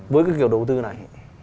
với cái kiểu đầu tư này